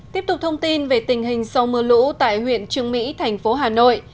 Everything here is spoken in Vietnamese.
tiếp tục thông tin về tình hình sau mưa lũ tại huyện trường mỹ thành phố hà nội